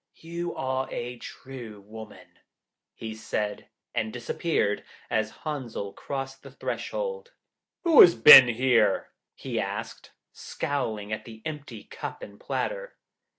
'You are a true woman,' he said, and disappeared as Henzel crossed the threshold. 'Who has been here?' he asked, scowling at the empty cup and platter.